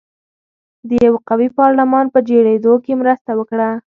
د یوه قوي پارلمان په جوړېدو کې مرسته وکړه.